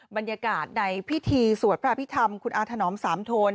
บรรยากาศในพิธีสวดพระพิธรรมคุณอาถนอมสามโทน